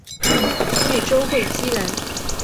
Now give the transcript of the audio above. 越州会稽人。